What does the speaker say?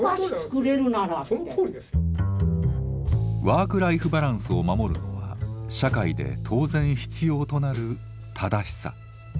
ワークライフバランスを守るのは社会で当然必要となる「正しさ」。